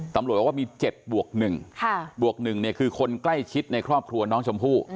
ตำรวจบอกว่ามี๗บวก๑บวก๑คือคนใกล้ชิดในครอบครัวน้องชมพู่